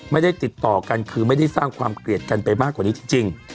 ไม่ได้ติดต่อกันคือไม่ได้สร้างความเกลียดกันไปมากกว่านี้จริง